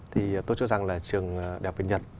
thì tôi cho rằng là trường đại học việt nhật